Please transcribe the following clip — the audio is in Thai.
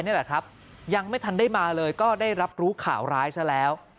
นี่แหละครับยังไม่ทันได้มาเลยก็ได้รับรู้ข่าวร้ายซะแล้ว